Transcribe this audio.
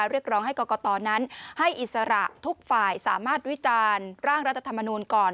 เรียกร้องให้กรกตนั้นให้อิสระทุกฝ่ายสามารถวิจารณ์ร่างรัฐธรรมนูลก่อน